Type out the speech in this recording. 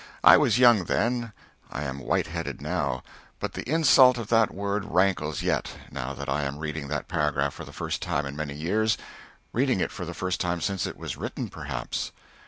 I was young then, I am white headed now, but the insult of that word rankles yet, now that I am reading that paragraph for the first time in many years, reading it for the first time since it was written, perhaps.